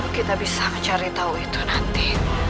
kita bisa mencari tahu itu nanti